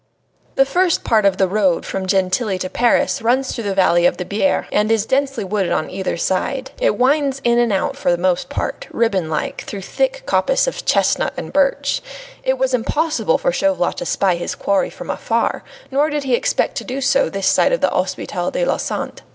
III The first part of the road from Gentilly to Paris runs through the valley of the Biere, and is densely wooded on either side. It winds in and out for the most part, ribbon like, through thick coppice of chestnut and birch. Thus it was impossible for Chauvelin to spy his quarry from afar; nor did he expect to do so this side of the Hopital de la Sante.